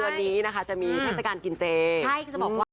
ตอนนี้โทษใหญ่กว่าแล้ว